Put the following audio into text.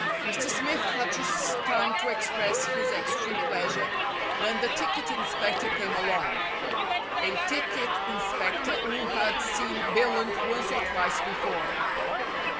Mr. Smith had just time to express his extreme pleasure when the ticket inspector came along a ticket inspector who had seen Billunt once or twice before.